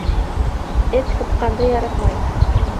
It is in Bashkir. Эт һуҡҡанды яратмай.